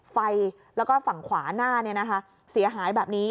ไฟแล้วก็ฝั่งขวาหน้าเนี่ยนะคะเสียหายแบบนี้